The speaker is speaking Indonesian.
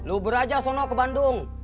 lu ber aja sono ke bandung